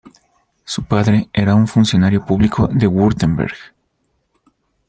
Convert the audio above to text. Su padre era un funcionario público de Württemberg.